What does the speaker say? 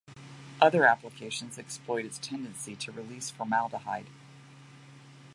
Other applications exploit its tendency to release formaldehyde.